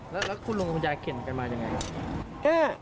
แล้วคุณลุงกับคุณยายเข็นกันมายังไงครับ